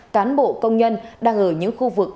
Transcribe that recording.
cán bộ công nhân đang ở những khu vực